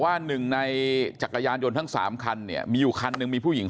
การบอกว่าหนึ่งในจักรยานยนต์ทั้ง๓คันเนี่ยมีคันนึงมีผู้หญิง